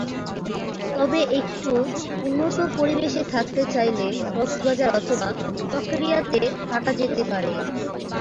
তবে একটু উন্নত পরিবেশে থাকতে চাইলে কক্সবাজার অথবা চকরিয়া তে থাকা যেতে পারে।